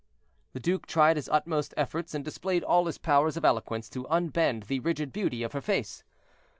The duke tried his utmost efforts and displayed all his powers of eloquence to unbend the rigid beauty of her face.